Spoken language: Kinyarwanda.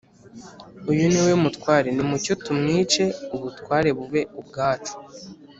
‘uyu ni we mutware, nimucyo tumwice ubutware bube ubwacu